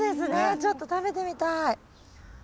ちょっと食べてみたい。